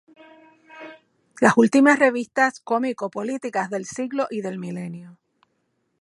Las últimas revistas cómico políticas del siglo y del milenio".